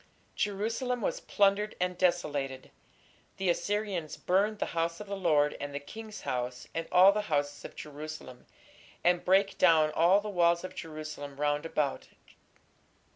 Jerusalem was plundered and desolated. The Assyrians "burned the house of the Lord and the king's house, and all the houses of Jerusalem", and "brake down all the walls of Jerusalem round about".